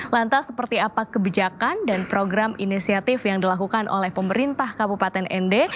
lantas seperti apa kebijakan dan program inisiatif yang dilakukan oleh pemerintah kabupaten nd